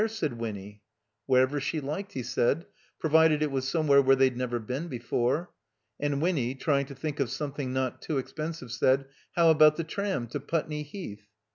said Winny. Wherever she liked, he said, provided it was some where where they'd never been before. And Winny, trying to think of something not too expensive, said, ''How about the tram to Putney Heath?"